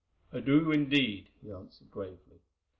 "I do, indeed," he answered gravely.